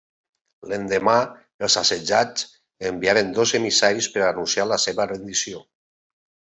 L'endemà, els assetjats enviaren dos emissaris per anunciar la seva rendició.